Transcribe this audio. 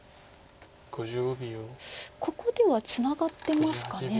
ここではツナがってますか。